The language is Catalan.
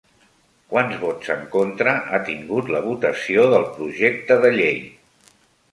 Quants vots en contra ha tingut la votació del projecte de llei?